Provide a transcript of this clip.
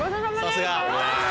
さすが。